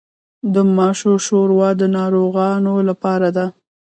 د ماشو شوروا د ناروغانو لپاره ده.